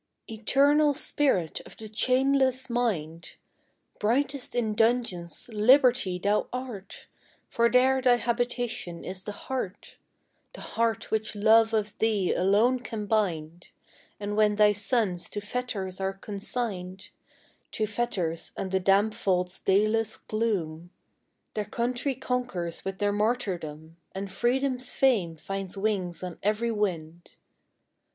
Eternal spirit of the chainless mind! Brightest in dungeons, Liberty! thou art, For there thy habitation is the heart, The heart which love of thee alone can bind; And when thy sons to fetters are consigned, To fetters, and the damp vault's dayless gloom, Their country conquers with their martyrdom, And Freedom's fame finds wings on every wind.